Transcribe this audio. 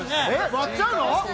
割っちゃうの？